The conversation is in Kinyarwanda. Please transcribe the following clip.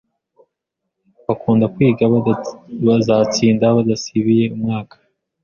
Bakunda kwiga bazatsinda badasibiye umwaka.